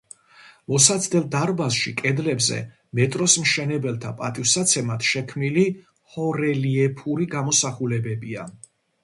მოსაცდელ დარბაზში კედლებზე მეტროს მშენებელთა პატივსაცემად შექმნილი ჰორელიეფური გამოსახულებებია.